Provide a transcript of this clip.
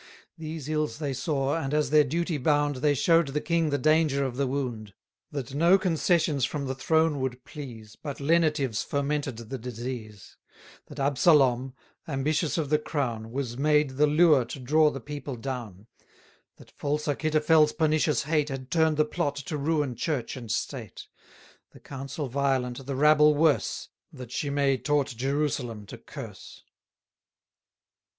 These ills they saw, and, as their duty bound, They show'd the King the danger of the wound; That no concessions from the throne would please, But lenitives fomented the disease: That Absalom, ambitious of the crown, Was made the lure to draw the people down: That false Achitophel's pernicious hate Had turn'd the Plot to ruin church and state: 930 The council violent, the rabble worse: That Shimei taught Jerusalem to curse.